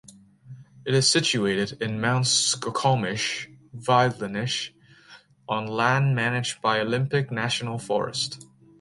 It is situated in Mount Skokomish Wilderness on land managed by Olympic National Forest.